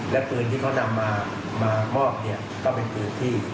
และปืนที่เขานำมามอบเนี่ยก็เป็นปืนที่